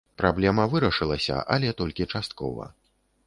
Праблема вырашылася, але толькі часткова.